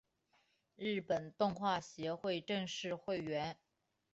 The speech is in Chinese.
日本动画协会正式会员。